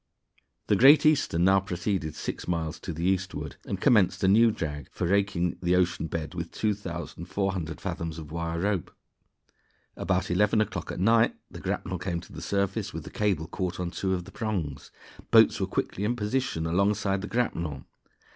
The Great Eastern now proceeded six miles to the eastward, and commenced a new drag, for raking the ocean bed with 2,400 fathoms of wire rope. About eleven o'clock at night the grapnel came to the surface with the cable caught on two of the prongs. Boats were quickly in position alongside the grapnel.